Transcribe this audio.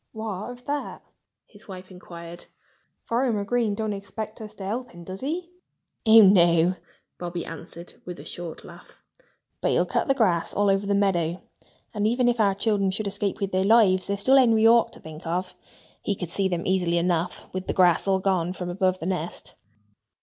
"What of that?" his wife inquired. "Farmer Green doesn't expect us to help him, does he?" "Oh, no!" Bobby answered with a short laugh. "But he'll cut the grass all over the meadow. And even if our children should escape with their lives, there's still Henry Hawk to think of. He could see them easily enough, with the grass all gone from above the nest."